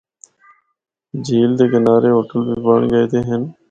جھیل دے کنارے ہوٹل بھی بنڑ گئے دے ہن۔